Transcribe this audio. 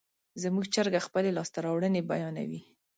زموږ چرګه خپلې لاسته راوړنې بیانوي.